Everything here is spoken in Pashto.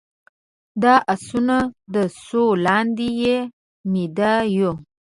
د اسونو د سوو لاندې يې ميده يو